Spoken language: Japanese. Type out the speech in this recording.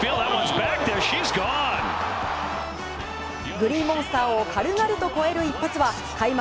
グリーンモンスターを軽々と越える一発は開幕